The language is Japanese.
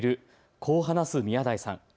こう話す宮台さん。